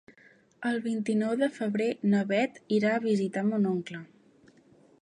El vint-i-nou de febrer na Beth irà a visitar mon oncle.